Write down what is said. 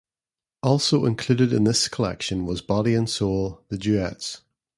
Also included in this collection was "Body and Soul: The Duets".